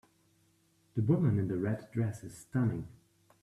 The woman in the red dress is stunning.